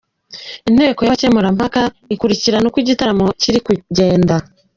Inteko y’abakemurampaka ikurikirana uko igitaramo kiri kugenda.